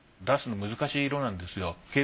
出すの難しい色なんですよ。